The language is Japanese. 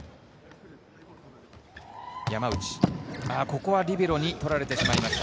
山内、ここはリベロに取られてしまいました。